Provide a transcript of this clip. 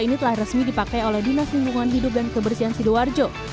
ini telah resmi dipakai oleh dinas lingkungan hidup dan kebersihan sidoarjo